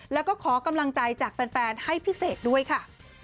แล้วก็ขอกำลังใจจากแฟนให้พิเศษด้วยค่ะ